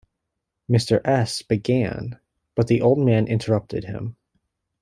Mr S. began, but the old man interrupted him.